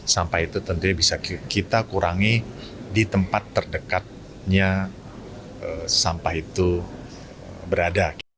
sampah itu tentunya bisa kita kurangi di tempat terdekatnya sampah itu berada